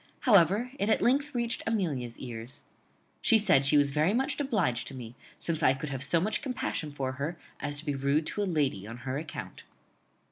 However, it at length reached Amelia's ears. She said she was very much obliged to me, since I could have so much compassion for her as to be rude to a lady on her account.